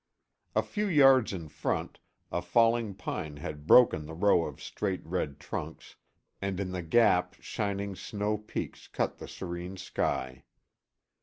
A few yards in front, a falling pine had broken the row of straight red trunks, and in the gap shining snow peaks cut the serene sky.